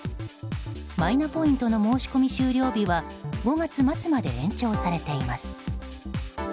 マイナポイントの申し込み終了日は５月末まで延長されています。